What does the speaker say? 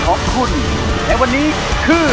ยังเพราะความสำคัญ